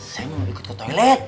saya mau ikut ke toilet